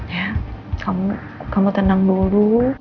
ya kamu tenang dulu